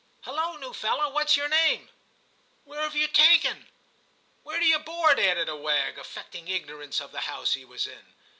' Hulloa, new fellow, what s your name ?'* Where have you taken ?'* Where do you board ?' added a wag, affecting ignorance of the house he was in.